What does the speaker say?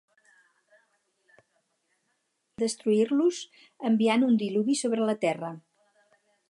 Aquests decideixen destruir-los, enviant un diluvi sobre la terra.